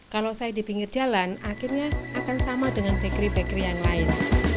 kalau saya di pinggir jalan akhirnya akan sama dengan bakery bakery yang lain